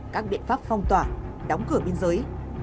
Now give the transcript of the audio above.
các biện pháp phong tỏa đóng cửa biên giới